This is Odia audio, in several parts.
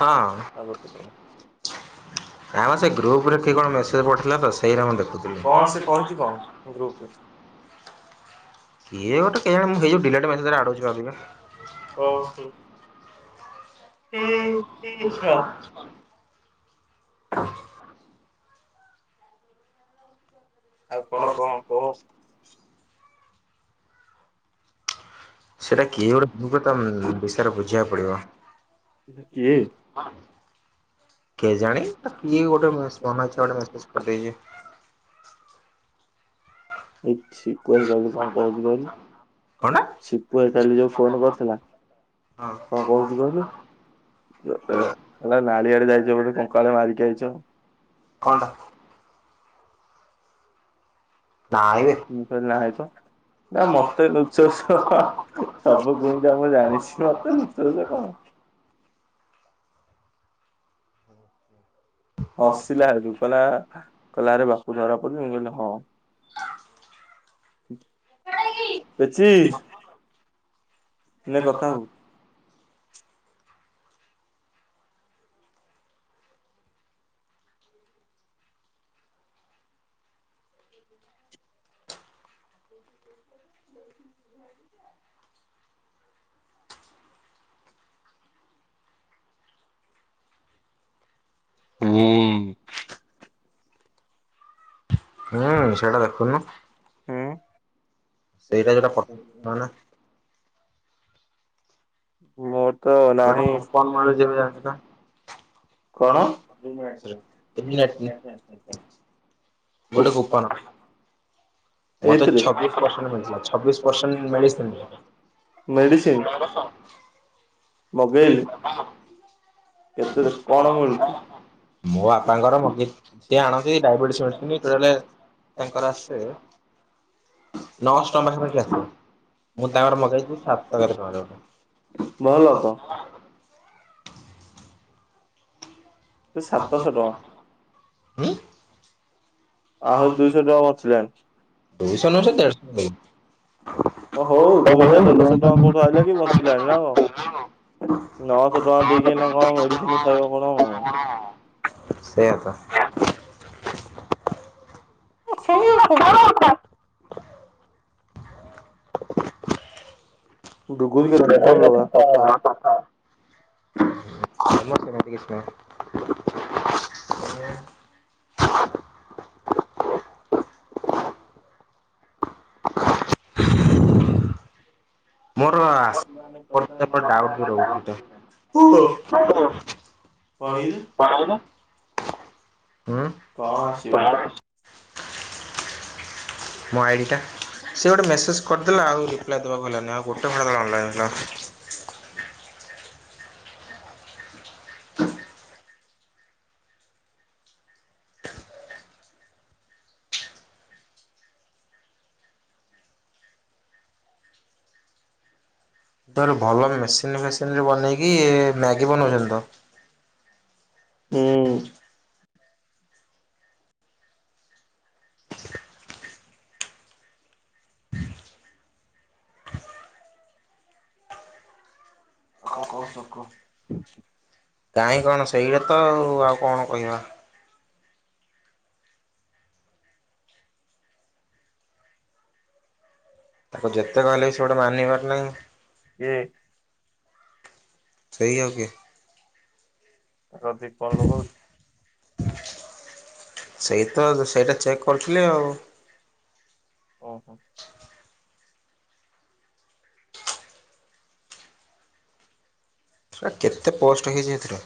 ହଁ ଆମ ସେ ଗ୍ରୁପରେ କି କଣ ମେସେଜ ପଠଥିଲା ତ ସେଇରେ ମୁଁ ଦେଖୁଥିଲି। କିଏ ଗୋଟେ। ଏ ଜାଣି ମୁଁ ହେଇଯ ଡିଲେଟେଜ ଆଡ କ। ହଁ ମିଛ। [inaudible] ଆଉ କଣ କଣ କୁହ। ସେଟା କିଏ ଗୋଟେତ ବିଷୟରେ ବୁଝିବାକୁ ପଡିବ। କେଏ ଜାଣି କିଏ ଗୋଟେନ ଅଛି ଗୋଟେ ମେସେଜ କରିଦେଇଛି। ଏଇ ସିପୁ ହେଇ କହିଲୁ କଣ କହୁଛି କହିଲୁ ସିପୁ ହେଇ କଲି ଯୋଉ ଫୋନ କରିଥିଲା କଣ କହୁଛି କହିଲୁ ହେଲା ନାଳିଆଡେ ଯାଇଛ ପଟେ କ। କଳେ ମାାରିକାଇଛ। କନ ଟା? ନ ନାଁ ତ ନା ମତେ ନୁଚଷ ସବୁ କୁଇଁ ମୁଁ ଜାଣିଛି ମତେ ନୁଚୋଷ କଣ? [inaudible] ହସିଲା ଆଉ କହିଲା। କଲରେ ବାପକୁ ଧରା ପଡିଲ ମୁଁ କହିଲି ହଁ। ପେଚି ନେ କଥା ହେବୁ। [inaudible] ହୁଁ ସେଟା ଦେଖୁନୁ। ସେଇଟା ଯୋଉଟା ପଥା ନା। [unintelligible] ତ ନାହି ସମ। କଣ? ଗୋଟେ କୁପନ। ମୋତେ ଛବି ପର୍ଷେଣ୍ଟ ଛବିଶ ପର୍ଷେଣ୍ଟ ମେଡ଼ିସିନ୍ ମେଡ଼ିସିନ ନବତ, ମୋ ବାପାଙ୍କର ସେ ଆଣନ୍ତି ଡାଇବେଟିସ ମେଡ଼ିସିନ୍ ଯେତେବେଳେ ତାଙ୍କର ଆସେ ନଅଶ ଟଙ୍କା ପାଖାପାଖି ଆସିବ ମୁଁ ତାଙ୍କର ମଗେଇଛି ସାତ ହଜାର ପାଂଶ। ସାତ ଶହ ଟଙ୍କା। ଆହୁରି ଦୁଇଶହ ଟଙ୍କା ବଞ୍ଚିଲାଣି ହଁ ହଉ ଦୁଇଶହ ଦେଢଶହ ଟଙ୍କା କଉଠୁ ଆଇଲା କି ବଞ୍ଚିଲାଣି ନା କଅଣ ନଅଶହ ଟଙ୍କା ଦେଇକି ଏଇନା କଣ ମେଡିସିନ ଖାଇବ କଣ ଅ? [unintelligible] [unintelligible] [unintelligible] [inaudible] ମୋର ପ୍ରତ୍ୟେକ ଡାଉଟ ବି ରହୁଛି ତାକୁ। [unintelligible] ହୁଁ। ମୋ ଆଇ ଟା ସେିଏ ଗୋଟେ ମେସେଜ କରିଦେଲା ଆଉ ରିପ୍ଲାଏ ଦେବାକୁ ହେଲାନି ଆଉ ଗୋଟେ ଥର ଅନଲାଇନ ଥାଉ। ତ ଭଲ ମେସିନ ଫେସିନରେ ବନେଇକି ମ୍ୟାଗି ବନଉଛନ୍ତି ତ। ହୁଁ। ଆଉ କଣ କହୁଛୁ ତୁ କ କାହିଁ କଣ ସେଇଟା ତ ଆଉ କଣ କହିବା। କିଏ ସେଇ ଆଉ କିଏ? [unintelligible] ସେଇ ତ ସେଇଟା ଚେକ୍ କରିୁଥିଲି ଆଉ। ଓହୋ। କେତେ ପୋଷ୍ଟ ହେଇଛି ଏଥିର?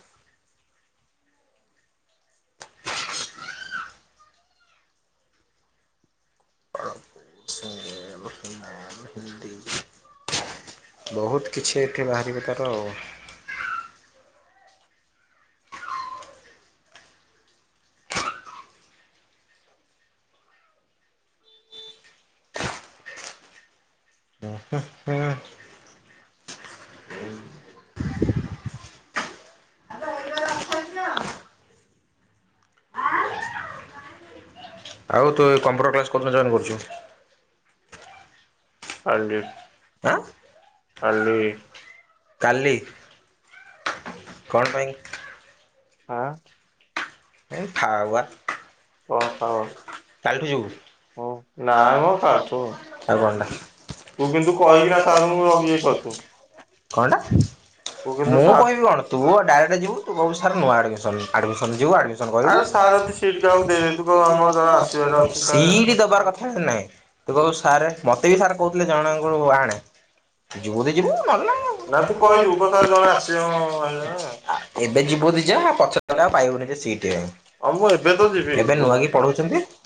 ବହୁତ କିଛି ଏଠି ବାହାରିବ ତାର ଆଉ। ହଁ ହଁ ହୁଁ। ହୁଁ। ଆଉ ତୁ ଏ କମ୍ପ୍ୟୁଟର କ୍ଲାସ୍ କୋଉଦିନ ଜଏନ କରୁଛୁ। କାଲି। ଆଁ। କାଲି। କାଲି। କଣ ପାଇଁ? ଆଁ। ଏ ଥାଉବା। [unintelligible] କାଲିଠୁ ଯିବୁନାମ କଲିଠୁ ଆଉ କଣ ହେଲା। କତୁ କୀନ୍ତୁ କହିଲେ କହିବୁ, କଣା ମୁଁ କହିବି କଣ ତୁ ଡାଇକ୍ଟ ଯିବୁୁ କହିବୁ ସର ନୂଆ ଆଡ଼ମିଶନ ଆଡ଼ମିଶନ ଯିବୁ ଆଡ଼ମିଶନ କରିବୁ ସିର ମତେ ସିଟ୍ ଦିଅ। ସେଇଠି ଦବାର କଥା ନାଇଁ ତୁ କହୁ ସାର୍ ମତେ ବି ସାର। କହିଥିଲେ ଜଣଙ୍କୁ ଅଣେ ଯିବୁ ଯଦି ଯିବୁ ନହେଲେ ନାଇ ଏବେ ଯିବୁ ଯଦି ଯା ପଛରେ ନହେଲେ ପାଇବୁନି ସିଟ୍ ଏବେ ନୂଆ କି ପଢ ଉଛ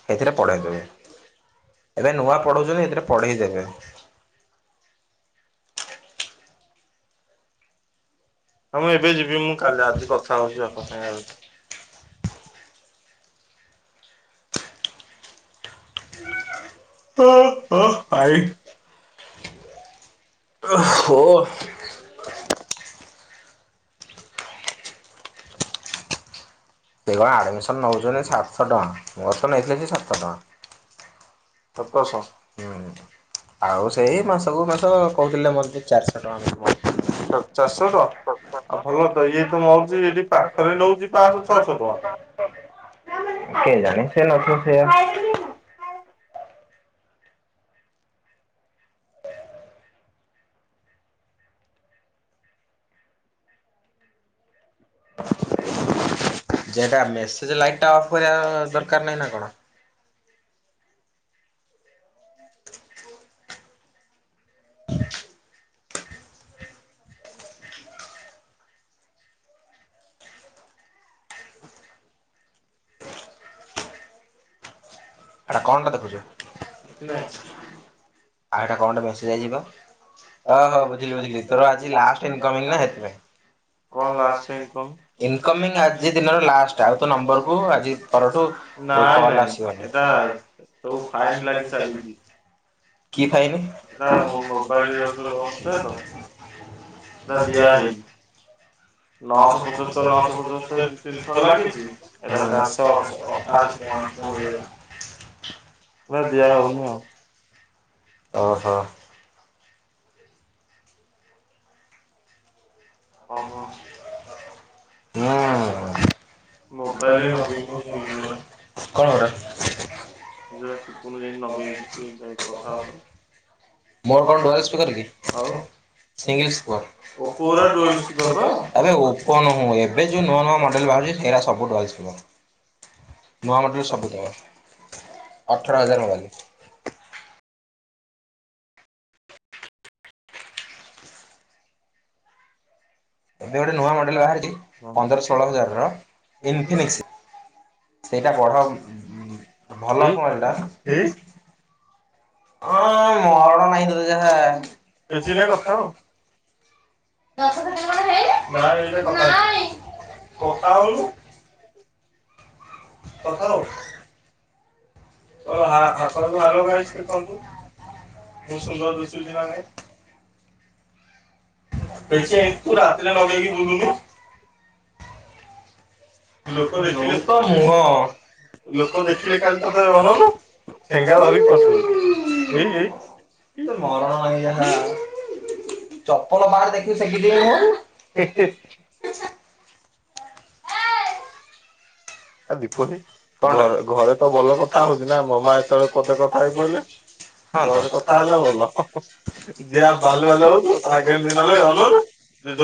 ସେଥିରେ ପଢେଇଦେବେ। ଏବେ ନୂଆ ପଢଉଛନ୍ତି ସେଥିରେ ପଢେଇ ଦେବେ। ହଁମୁଁ ଏବେ ଯିବି ମୁଁ କାଲି ଆଜି କଥା ହଉଛିି ବାପା ସାଙ୍ଗେ। [inaudible] ଓ ଓଃ ଭାଇ। [unintelligible] ଓହୋ। [inaudible] ସେ କଣ ଆଡମିସନ ନଉଛନ୍ତି ସାତଶହ ଟଙ୍କା। ମୋରତ ନେଇଥିଲେ ଯେ ସାତଶହ ଟଙ୍କା। ହୁଁ, ଆଉ ସେଇ ମାସକୁ ମାସ କହୁଥିଲେ ମତେ ଚାରିଶହ ଟଙ୍କା। ସଶହ ଟଙ୍କା। [unintelligible] [inaudible] ଯେଟା ମେସେଜ ଲାଇଟ ଟା ଅଫ୍ କରିବା ଦରକାର ନାହିଁ, ନା କଣ? ହଁ। [inaudible] ହଁ, ହଁ ବୁଝିଲି ବୁଝିଲି ତମର ଆଜି ଲାଷ୍ଟ ଇନକମ୍ ତ ସେଥିପାଇଁ। କଣ ଲାଷ୍ଟ ଇନକମ୍? ଇନକମିଙ୍ଗ ଆଜି ମୋର ଲାଷ୍ଟ [inaudible] ନାଇ ନାଇ। ହଁ, ସଉ ଫାଇନ ଲାଗି ଚାଲିୁଛି। କି ଖାଇନି [unintelligible] ନଦୀ ଆ। ନଅଶହ ପଚୋଷ୍ଟରି ନଅଶହ ପଚୋଷ୍ଟରି ଦିଇ ତିନିଥର ଲାଗିଛି ଏଇଟା ଚାରିଶହ ଅଠା ଅଶି ଟା ଦିଆ ହଉନି ଆଉ। ଓ ହୋ। ଓହୋ। ହଁ କଣରା [unintelligible] ଭଲ ଅଛି ନ [unintelligible] ଏବେ ଯେଉଁ ନୂଆ ନୂଆ ମଡ଼େଲ୍ ବାହାରୁଛି ସେଇଟରା ସବୁ ଡଲଥିବ। ନୂଆ ମଡେଲ ସବୁ ଦଳ ଅଠର ହଜାର ମଲି। ମଥାଉ। [unintelligible] କଥା ହୋ ଭଲ ଗାଖନ୍ତୁ ବହୁତ ସୁନ୍ଦର ଦୁଶୁ ନା। ବଛୁ ରାତ୍ରରେ ଲଗେଇ କି ବୁଳୁନୁ। ଦେ ତ ମୁହଁ ଲୋକ ଦେଖିଲେଙ୍ଗା ମରଣ ଲା। ଚପଲ ବାହାରେ ଦେଖିବି ସେକି ଦେବି। ଦୀପୁନି ଘରେ ଘରେ ତ ଭଲ କଥା ହଉଛି ନା ମାମା ଯେତେବେଳେ ପଦେ କଥା ହେଇ ପହିଲେ ଘରେ କଥା ହେଲେ ଭଲ ଯିଏ ବାଲୁ ବାଲ ହଉଥିବ ତାମିତି ନହଲେ ଅନୁନୁ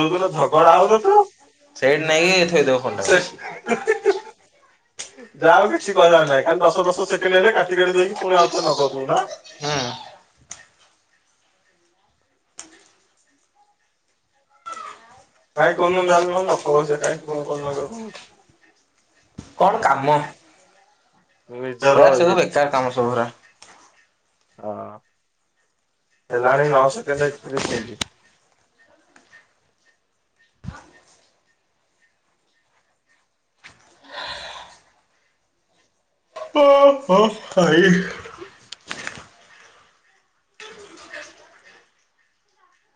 ଯୋଉ ଦିନ ଝଗଡା ହଉନଥୁବ [unintelligible] ଯାହା କିଛି କହିବ ନାହିଁ ଖାଲି ଦଶ ବର୍ଷ ସେଠ ନ ହେଲେ କାଟି କାଟି ଦେଇକି ହଉଛି ନବପୂଣ। କାଇହିଁ କହୁନାହାନ୍ତି ଆମେଣ ଲଖ ପଇସ କାଇହିଁକି କଣ କରନ ନିଜର ଇଏ ହଁ। ହେଲାଣି ନଅ ସେକେଣ୍ଡ ଏକତିରିଶ ମିନିଟି। ହଁ। ଓ ହୋ ଭାଇ।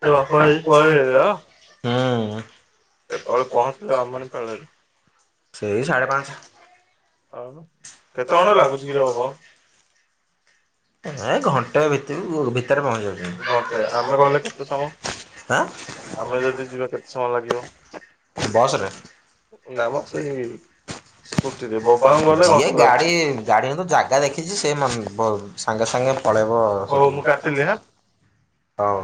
ତ ବାପପଳେଇଳେ ତ ହଲେ ପହଞ୍ଚିଲେ ବାମୁଣି ପାଳରେ ସେଇ ସାଢ଼େ ପାଞ୍ଚ। ଆଉ କେତେ ଖଣା ଲାଗୁଛି କି ହ କଣ। ଏ ଘଣ୍ଟା ଭିତ ଭିତରେ ପହଞ୍ଚିାଉଛି। ନଟେ ଆମେ ଗଲେ କେତେ ସମ ଆମେ ଯଦି ଯିବା କେତେ ସମୟ ଲାଗିବ ନାମ ସେଇ ସ୍କୁଟିରେ [unintelligible] ଗଲେ ଗନ୍ଧ ଲାଗୁଚି [unintelligible] ସାଙ୍ଗେ ସାଙ୍ଗେ ପଳେଇବ ଆଉ ହୋଉ ତାହାଲେ ହଉ।